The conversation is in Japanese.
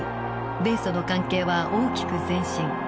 米ソの関係は大きく前進。